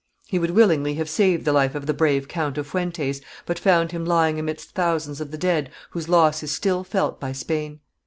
He would willingly have saved the life of the brave Count of Fuentes, but found him lying amidst thousands of the dead whose loss is still felt by Spain.